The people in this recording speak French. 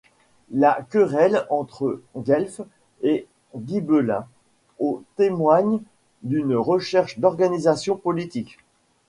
La querelle entre guelfes et gibelins aux témoigne d'une recherche d'organisation politique.